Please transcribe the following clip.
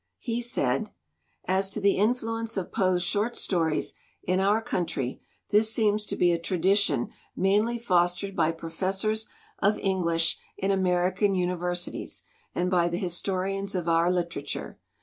He said: "As to the influence of Poe's short stories in our country, this seems to be a tradition mainly fostered by professors of English in American universities and by the historians of our literature.